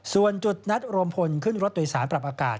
ส่วนจุดนัดรวมพลขึ้นรถโดยสารปรับอากาศ